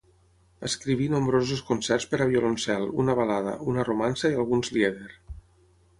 Escriví nombrosos concerts per a violoncel, una balada, una romança i alguns lieder.